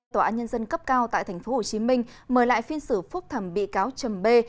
tòa án nhân dân cấp cao tại tp hcm mời lại phiên xử phúc thẩm bị cáo chầm bê